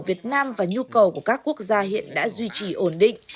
việt nam và nhu cầu của các quốc gia hiện đã duy trì ổn định